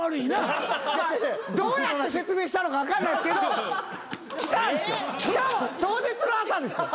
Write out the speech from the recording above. どうやって説明したのか分かんないですけど来たんすよ。